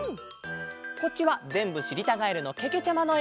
こっちはぜんぶしりたガエルのけけちゃまのえ！